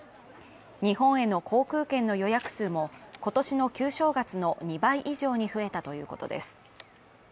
日本への航空券の予約数も今年の旧正月の２倍以上に増えたということです。